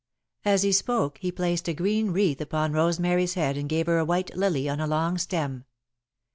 As he spoke, he placed a green wreath upon Rosemary's head and gave her a white lily, on a long stem.